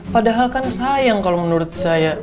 padahal kan sayang kalau menurut saya